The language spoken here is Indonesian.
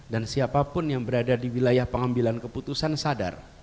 dan siapapun yang berada di wilayah pengambilan keputusan sadar